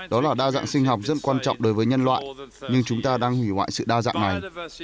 đó là đa dạng sinh học rất quan trọng đối với nhân loại nhưng chúng ta đang hủy hoại sự đa dạng này